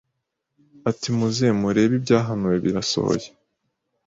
ati muze murebe ibyahanuwe birasohoye